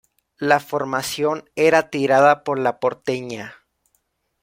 La formación era tirada por La Porteña.